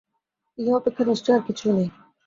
ইহা অপেক্ষা নিশ্চয় আর কিছুই নাই।